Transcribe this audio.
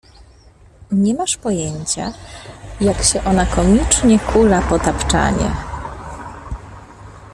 «Nie masz pojęcia, jak się ona komicznie kula po tapczanie.